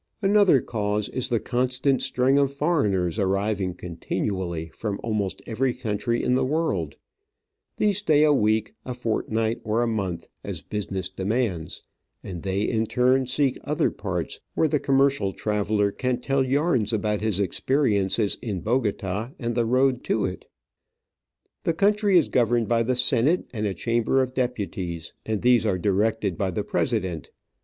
Another cause is the constant string of foreigners arriving continually from almost every country in the world ; these stay a week, a fortnight, or a month, as business demands, and they in turn seek other parts, where the com mercial traveller can tell yarns about his experiences in Bogota and the road to it. The country is governed by the Senate and a Chamber of Deputies, and these are directed by the President.